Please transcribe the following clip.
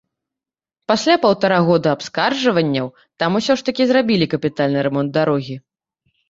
Пасля паўтара года абскарджванняў там усё ж такі зрабілі капітальны рамонт дарогі.